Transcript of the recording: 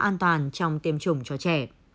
an toàn trong tiêm chủng cho trẻ